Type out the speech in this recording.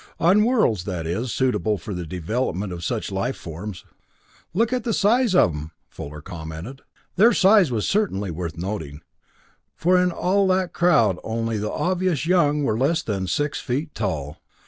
On worlds, that is, suitable for the development of such life forms." "Look at the size of 'em," Fuller commented. Their size was certainly worth noting, for in all that crowd only the obviously young were less than six feet tall.